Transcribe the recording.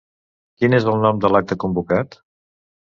Quin és el nom de l'acte convocat?